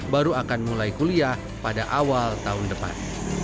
baru akan mulai kuliah pada awal tahun depan